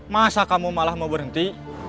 masa kamu malah mau berhenti